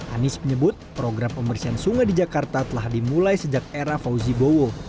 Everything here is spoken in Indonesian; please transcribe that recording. anies menyebut program pembersihan sungai di jakarta telah dimulai sejak era fauzi bowo